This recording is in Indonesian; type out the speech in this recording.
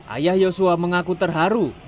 ayah yosua mengaku terharu